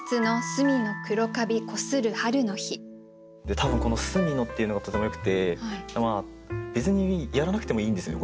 多分この「隅の」っていうのがとてもよくて別にやらなくてもいいんですよね